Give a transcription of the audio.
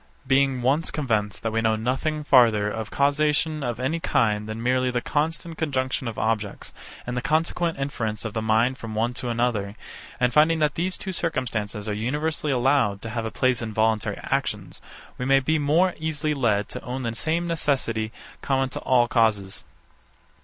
But being once convinced that we know nothing farther of causation of any kind than merely the constant conjunction of objects, and the consequent inference of the mind from one to another, and finding that these two circumstances are universally allowed to have place in voluntary actions; we may be more easily led to own the same necessity common to all causes.